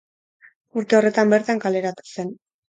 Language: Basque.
Urte horretan bertan kaleratu zen.